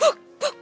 puk puk puk